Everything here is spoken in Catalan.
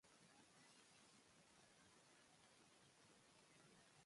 El deu d'agost na Vera i na Xènia aniran a la platja.